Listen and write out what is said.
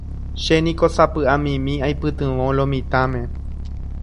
Chéniko sapy'amimi aipytyvõ lo mitãme.